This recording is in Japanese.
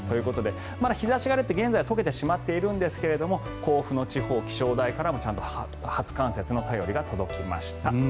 日差しが出て現在は解けてしまっているんですが甲府の地方気象台からもちゃんと初冠雪の便りが届きました。